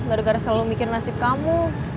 gak ada garis selalu mikir nasib kamu